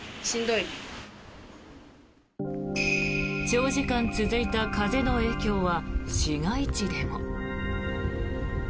長時間続いた風の影響は市街地でも。